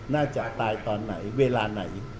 น่าจะตายตอนไหนเวลาไหน